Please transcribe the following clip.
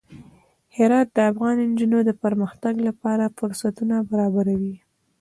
هرات د افغان نجونو د پرمختګ لپاره فرصتونه برابروي.